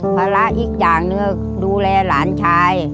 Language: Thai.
ภาระอีกอย่างหนึ่งดูแลหลานชาย